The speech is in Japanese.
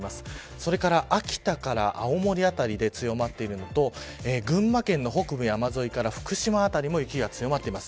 それから秋田から青森辺りで強まっているのと群馬県の北部山沿いから福島辺りも雪が強まっています。